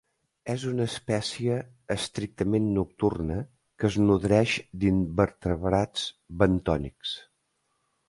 És una espècie estrictament nocturna que es nodreix d'invertebrats bentònics.